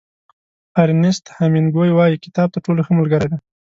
ارنیست هېمېنګوی وایي کتاب تر ټولو ښه ملګری دی.